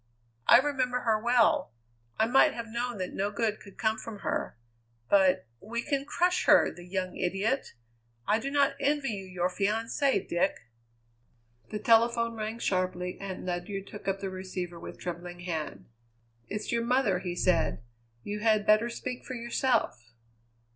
I remember her well. I might have known that no good could come from her. But we can crush her, the young idiot! I do not envy you your fiancée, Dick." The telephone rang sharply and Ledyard took up the receiver with trembling hand. "It's your mother," he said; "you had better speak for yourself."